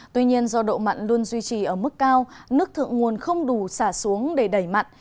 tuy nhiên do độ mặn luôn duy trì ở mức cao nước thượng nguồn không đủ xả xuống để đẩy mặn